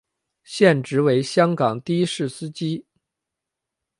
现职为香港的士司机。